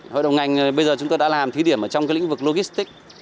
hội đồng ngành bây giờ chúng tôi đã làm thí điểm trong cái lĩnh vực logistic